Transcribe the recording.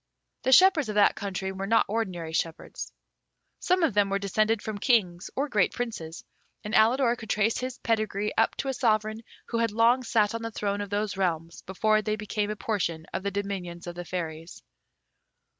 The shepherds of that country were not ordinary shepherds. Some of them were descended from Kings or great Princes, and Alidor could trace his pedigree up to a Sovereign who had long sat on the throne of those realms before they became a portion of the dominions of the Fairies.